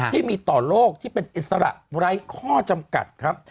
ที่มีต่อโลกที่เป็นอิสระไร้ข้อจำกัดครับ